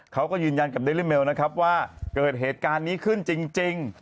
เขาก็ยืนยันกับเดลิเมลนะครับว่าเกิดเหตุการณ์นี้ขึ้นจริง